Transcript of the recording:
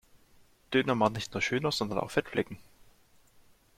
Döner macht nicht nur schöner sondern auch Fettflecken.